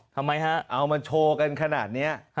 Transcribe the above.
ทำไมฮะเอามาโชว์กันขนาดนี้